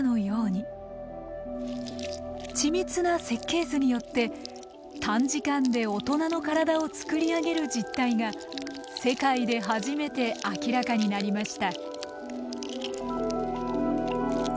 緻密な設計図によって短時間で大人の体を作り上げる実態が世界で初めて明らかになりました。